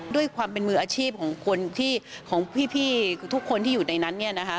ด้วยความเป็นมืออาชีพของพี่ทุกคนที่อยู่ในนั้น